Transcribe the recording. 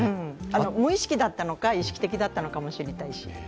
無意識だったのか、意識的だったのかも知りたいし。